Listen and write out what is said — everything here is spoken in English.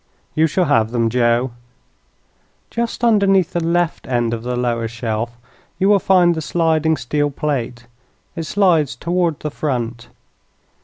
"You shall have them, Joe." "Just underneath the left end of the lower shelf you will find the sliding steel plate. It slides toward the front.